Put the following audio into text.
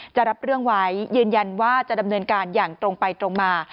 จะรับเรื่องไว้ยืนยันว่าจะดำเนินการอย่างตรงไปตรงมา